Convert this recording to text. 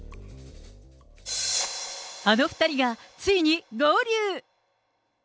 あの２人がついに合流！